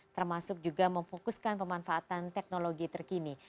termasuk juga memfokuskan pemanfaatan teknologi terkini